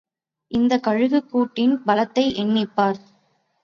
இந்தக் கழுகுக் கூட்டின் பலத்தை எண்ணிப்பார்.